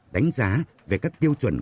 đánh giá về các tiêu chuẩn